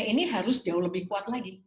ini harus jauh lebih kuat lagi